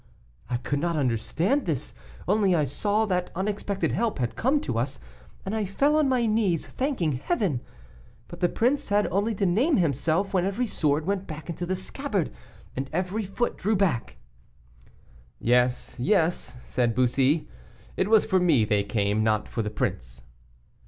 I could not understand this, only I saw that unexpected help had come to us, and I fell on my knees, thanking Heaven. But the prince had only to name himself, when every sword went back into the scabbard, and every foot drew back." "Yes, yes," said Bussy, "it was for me they came, not for the prince."